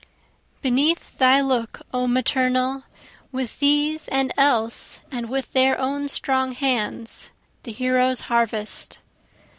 Beneath thy look O Maternal, With these and else and with their own strong hands the heroes harvest.